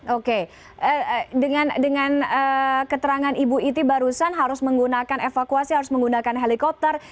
oke dengan keterangan ibu iti barusan harus menggunakan evakuasi harus menggunakan helikopter